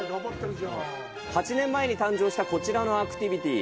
８年前に誕生したこちらのアクティビティ。